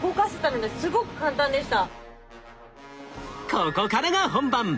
ここからが本番。